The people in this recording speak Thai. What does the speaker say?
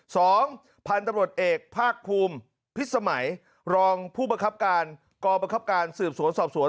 ๒พันธุ์บังคับการศูนย์ภาคภูมิพิศสมัยรองผู้บังคับการศูนย์กรบังคับการสืบสวนสอบสวน